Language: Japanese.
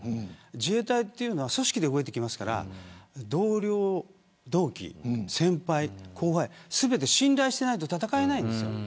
自衛隊は組織で動くので同僚、同期、先輩、後輩全て信頼していないと戦えないんです。